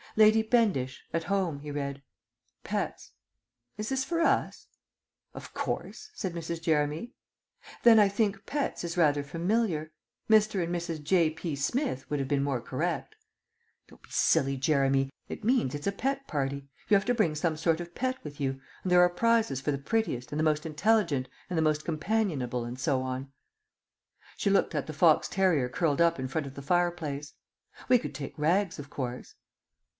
"'Lady Bendish. At Home,'" he read. "'Pets.' Is this for us?" "Of course," said Mrs. Jeremy. "Then I think 'Pets' is rather familiar. 'Mr. and Mrs. J. P. Smith' would have been more correct." "Don't be silly, Jeremy. It means it's a Pet party. You have to bring some sort of pet with you, and there are prizes for the prettiest, and the most intelligent, and the most companionable, and so on." She looked at the fox terrier curled up in front of the fire place. "We could take Rags, of course."